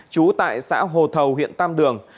chú tại xã hồ thầu huyện tam đường